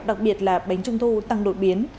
đặc biệt là bánh trung thu tăng đội biến